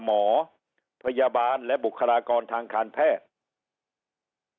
หมอพยาบาลและบุคลากรทางการแพทย์